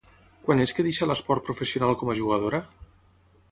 Quan és que deixà l'esport professional com a jugadora?